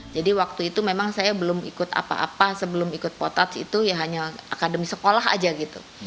jadi waktu itu memang saya belum ikut apa apa sebelum ikut potats itu ya hanya akademi sekolah aja gitu